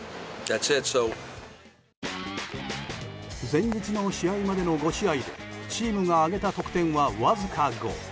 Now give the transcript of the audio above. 前日の試合までの５試合でチームが挙げた得点はわずか５。